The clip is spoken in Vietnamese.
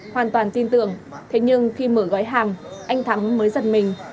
hoàn toàn tin tưởng thế nhưng khi mở gói hàng anh thắng mới giật mình